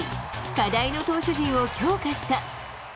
課題の投手陣を強化した。